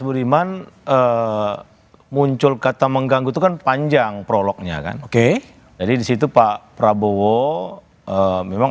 budiman muncul kata mengganggu itu kan panjang prolognya kan oke jadi disitu pak prabowo memang